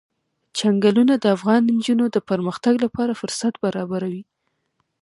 چنګلونه د افغان نجونو د پرمختګ لپاره فرصتونه برابروي.